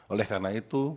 oleh karena itu